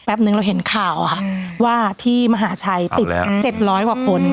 นึงเราเห็นข่าวค่ะว่าที่มหาชัยติด๗๐๐กว่าคน